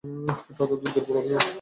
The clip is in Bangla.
এটা অত্যন্ত দুর্বল অভিমত।